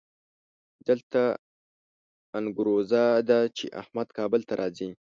دلته انګروزه ده چې احمد کابل ته راځي.